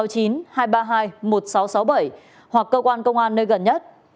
của cơ quan công an nơi gần nhất